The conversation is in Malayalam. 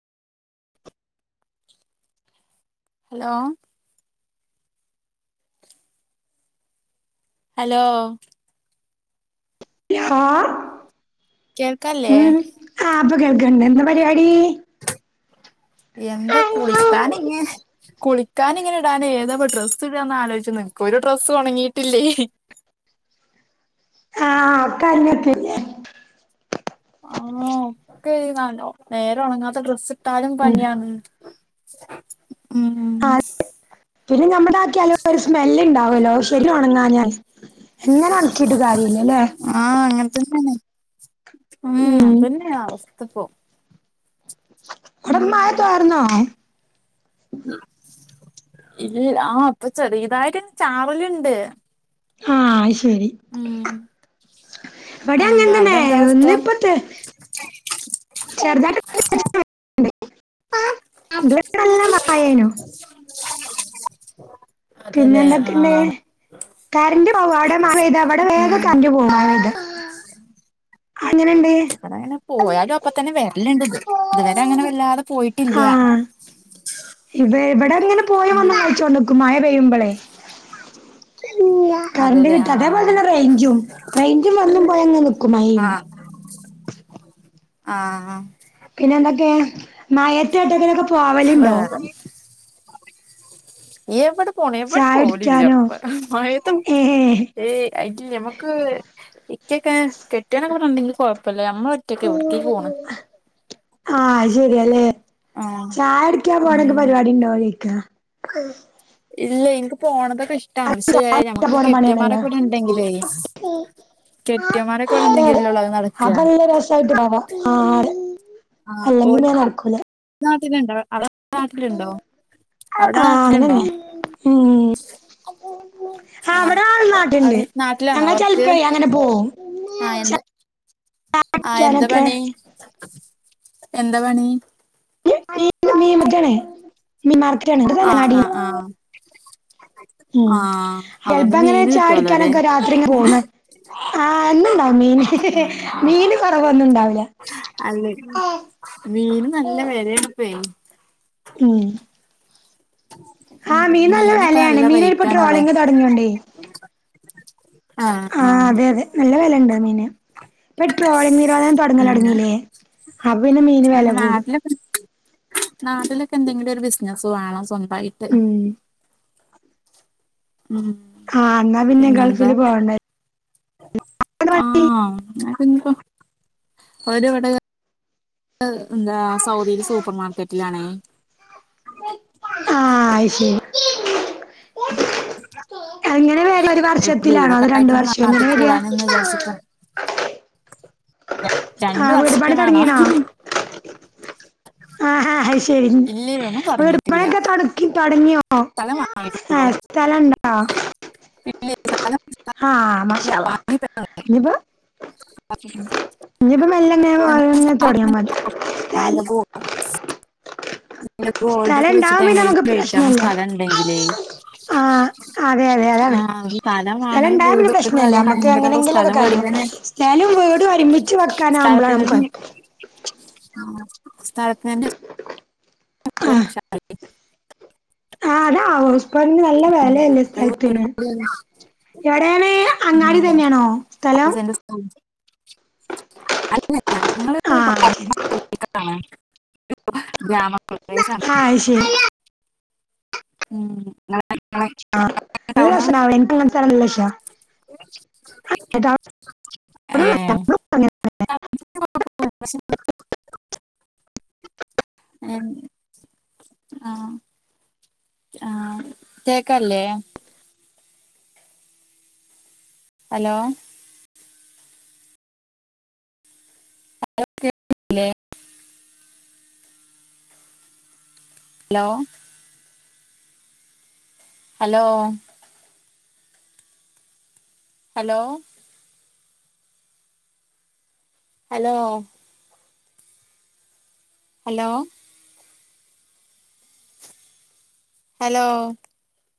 ലോ ഹലോ ഹ കേൾക്കല്ലേ ഉം ആഹ് ഇപ്പൊ കേൾക്ക്ണ്ട് എന്ത പരിപാടി? എന്താ കുളിക്കാനിങ്ങെ കുളിക്കാനിങ്ങനെ ഇടാനേ ഏതാപ്പ ഡ്രസ്സ് ഇടാന്ന് ആലോചിച്ചു നിക്ക ഒരു ഡ്രസ്സും ഒണങ്ങിട്ടില്ലേ ആഹ് ഒക്കെ [unintelligible] ആഹ് ഒക്കെ നേരെ ഉണങ്ങാത്ത ഡ്രസ്സ് ഇട്ടാലും പണിയാണ് ഉം ആഹ് പിന്നെ നമ്മടെ [inaudible] ഒരു സ്മെല്ല് ഉണ്ടാവല്ലോ ശരിക്ക്‌ ഉണങ്ങാഞ്ഞാല് എങ്ങനെ ഒണക്കിട്ട് കാര്യല്ലല്ലേ? അങ്ങനെതന്നെണ് മ്മ് ഉം [unintelligible] തുപ്പോ വടെ മഴ തോർന്നോ ഇത് ആഹ് ഇപ്പൊ ചെറിതായിട്ട് ചാറല്ണ്ട് ആഹ് അയ്ശരി ഇവടെ ആഹ് അവിടെ അങ്ങൻതന്നെ എന്താ അവസ്ഥ ഇന്ന് ഇപ്പത്തെ ചെറുതയിട്ട് [unintelligible] ആയേനോ [inaudible] പിന്നെ എന്തൊക്കെണ്ട്? ആഹ് കറണ്ട് പോകും അവിടെ മഴ പെയ്ത ഇവിടെ വേഗം ഉം കറണ്ട് പോകും മയെയ്ത അതെങ്ങനെണ്ട്? അടെ അങ്ങനെ പോയാലും അപ്പ തന്നെ വരലിണ്ട് ഇത് ഇതുവരെ അങ്ങനെ വല്ലാതെ പോയിട്ടില്ല ഇത് ഇവിടെ എങ്ങനെ പോയിം ഉം വന്നും കളിച്ചോണ്ട്ക്കും മഴ പെയ്യുമ്പളെ കറണ്ട് അതല്ലേ കിട്ട ആഹ് അതേപോലെന്നെ റേഞ്ചും റെയിഞ്ച് വന്നും പോയി അങ്ങ് നിക്കും മഴയുമ്പ ആഹ് ആഹ് പിന്നെ എന്തൊക്കെ മഴത്ത് ട്ടേങ്കിലൊക്കെ പോവല്ണ്ടോ? വേറെ എവിടെ പോണ് എവിടേം ചായ പോവലില്ല കുടിക്കാനോ പ്പ മഴയത്തു ഏ ഏ ഇക്ക് ഞമക്ക് ഇക്കക്കെ കെട്ടിയാനൊക്കെ ഇവിടുണ്ടെങ്കിൽ കൊഴപ്പല്ല നമ്മ റ്റക്ക് എവിട്ക്ക ഇ പോണേ? ആഹ് അശെരിയല്ലെ ആഹ് ചായ കുടിക്കാ പോണെക്കെ ഉം പരിപാടി ഇണ്ടോ ചൊയ്ക്ക ഇല്ല ഇൻക്ക് പോണതൊക്കെ ഇഷ് ഷ്ട പക്ഷെ ചായ കുടിക്കാൻ നമക്ക് പോണ കെട്ടിയമാരെ പണിയാണല്ലോ കൂടെ ഉണ്ടെങ്കിലേ കെട്ടിയന്മാരൊക്കെ ഇവിടെ ഉണ്ടെങ്കിലേ ലൊള്ളു അത് നടക്ക [unintelligible] ആഹ് അല്ലെങ്കിൽ ഞാൻ അടുക്കൂല നാട്ടില്ണ്ടോ അവിടെ നാട്ടിലുണ്ടോ അവിടെ നാട്ടിലുണ്ടോ? മ് ആഹ് ഇവിടെ ആള് നാട്ടിണ്ട് അവിടെ നാട്ടിലാണോ ഞങ്ങള് വർക്ക് ചിൽപ്പെ അങ്ങനെ പോവും ആഹ് എന്താ ആഹ് എന്താ ക്കാനൊക്കെ പണി എന്താ പണി [unintelligible] മീൻ മാർക്ക ആഹ് ആഹ് ആഹ് ഉം ആഹ് അതുകൊണ്ട് ചിലപ്പോ ഇങ്ങനെ മീന് ചായ കിട്ടുവല്ലോ അല്ലേ കുടിക്കാനൊക്കെ രാത്രി ഇങ്ങെനെ പോവും ആഹ് എന്നുംണ്ടാവും മീന് മീന് കൊറവൊന്നും ഇണ്ടാവില്ല അല്ലെ മീൻ നല്ല വിലയാണിപ്പെ ഉം ഉം ആഹ് മീൻ നല്ല മീനൊക്കെ വിലയാണ് നല്ല മീന്പ്പൊ റേറ്റാണതെ ട്രോളിങ്ങ് തുടങ്ങിയോണ്ടേ ആഹ് ആഹ് അതെ അതെ നല്ല വിലയുണ്ടോ മീന് ഇപ്പൊ പെട്രോളിംഗ നിരോധനം ഉം തുടങ്ങലടങ്ങില്ലേ അപ്പൊ പിന്നെ മീന് വില അങ്ങനെ കൂടും നാട്ടിലൊക്കെ നാട്ടിലൊക്കെ എന്തെങ്കില ഒരു ബിസിനസ്സ് വേണോ സ്വന്തമായി ഉം ഉം ആഹ് എന്നാ പിന്നെ പിന്നെന്താ ഗൾഫിൽ പോവണ്ടായി ആഹ് ഞാൻ പിന്നെ ഇപ്പോ ഓര് ഇവിടെ എന്താ സൗദിയില് സൂപ്പർമാർക്കറ്റിലാണെ ആഹ് അയ്ശരി അങ്ങനെ വേര ഒരു വർഷത്തിലാണോ അത് രണ്ട വർഷം എങ്ങനെ വരിയാ വിച്ചർച്ചിക്കാം രണ്ട് ആഹ് വർഷം വീട്പാണി വേണോ തുടങ്ങീനാ ആഹ് ഹാ അയ്ശരി ഇല്ലേ ഒന്നും വീടുപണിക്കെ തുടക്കി തുടങ്ങിയ തല [unintelligible] മോ തലണ്ട സ്ഥലം ആഹ് മാശള്ളമ വാങ്ങി നിപ്പോ പെട്ടെന്ന് ഇനിയിപ്പ മെല്ലങ്ങങ്ങെ നമുക്ക് സ്ഥലം ഒരൊന്നിങ്ങനെതുടങ്ങിയാൻ മതി സ്ഥല- [unintelligible] സ്ഥലം ഗോൾഡൊക്കെ വെച്ചിട്ട് ഉണ്ടാവും പിന്നെ എങ്ങിലും നമുക്ക് കഴിക്കൻ പ്രശ്നമില്ല സ്ഥലംണ്ടെങ്കിലേ ആ അതെ അതെ അതാണ് സ്ഥലം ഉണ്ടായ്പ വീട് ഒരു വെക്കലും പ്രശ്നല്ല അതോ നമ്മക്ക് ഭയങ്കര ഒരു സ്ഥലം എങ്ങനെങ്കിലുംക്കെകാര് മേടിക്കാൻ സ്ഥല വീട് ഒരുരമിച്ച് വെക്കാനാവുമ്പോഴാണ് നമുക്ക് ആഹ് സ്ഥഴത്തിന്നെ ആഹ് ആഹ് അതാ ആഹ് ഹോസ്പറിന് നല്ല വിലയല്ലേ അപ്പൊ ഈ വീടും സ്ഥത്തിന് കൂടി അല്ലേ. എവിടെയാണ് അങ്ങാടി തന്നെയാണോ സ്ഥലം അല്ലല്ല ങ്ങള് ആഹ് ശരി പ്പൊ [unintelligible] [inaudible] ഗ്രാമ ആയ് ശരി ഉം നിങ്ങളെ- ആ്ല്ലന എനസല്ലഷാ [inaudible] നല്ല ഇഷ്ടാ ഏഹ് [inaudible] എഹ് ആഹ് ആഹ് കേക്കല്ലേ ഹലോ അല്ലെ hello hello hello hello hello hello